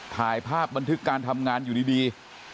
ถ่ายภาพบันทึกการทำงานอยู่ดี